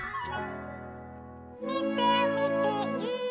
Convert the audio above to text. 「みてみてい！」